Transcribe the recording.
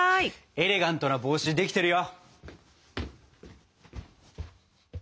エレガントな帽子できてるよ！